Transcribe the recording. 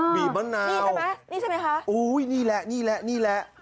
บีบมะนาวนี่จะแม่นี่ใช่ไหมคะสินี่แหละนี่แหละนี่แหละ